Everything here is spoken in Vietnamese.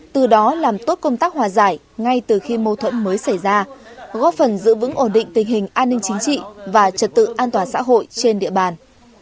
từ đó làm tốt công tác hòa giải ngay từ khi mâu thuẫn mới xảy ra góp phần giữ vững ổn định tình hình an ninh chính trị và trật tự an toàn xã hội trên địa bàn